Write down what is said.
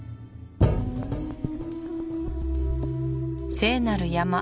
聖なる山